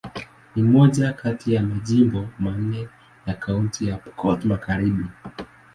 Ni moja kati ya majimbo manne ya Kaunti ya Pokot Magharibi.